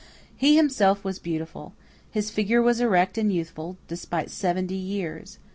He himself was beautiful. His figure was erect and youthful, despite seventy years.